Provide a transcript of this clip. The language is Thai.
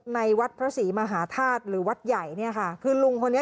ในวัดพระศรีมหาธาตุหรือวัดใหญ่เนี่ยค่ะคือลุงคนนี้